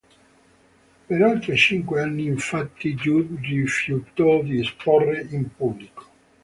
Per oltre cinque anni, infatti, Judd rifiutò di esporre in pubblico.